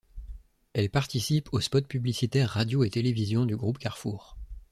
Elle participe aux spots publicitaires radio et télévision du groupe Carrefour.